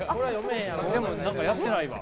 やってないわ。